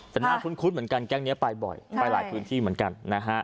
แต่น่าคุ้นเหมือนกันแก๊งนี้ไปบ่อยไปหลายพื้นที่เหมือนกันนะฮะ